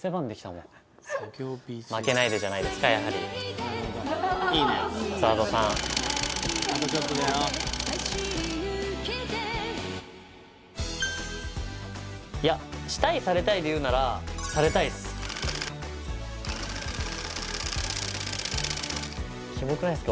もう「負けないで」じゃないですかやはりＺＡＲＤさんいや「したいされたい」で言うならされたいっすキモくないすか？